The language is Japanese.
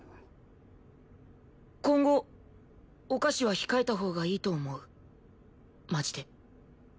今後お菓子は控えたほうがいいと思うマジで。